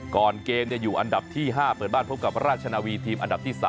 ก่อนเกมอยู่อันดับที่๕เปิดบ้านพบกับราชนาวีทีมอันดับที่๓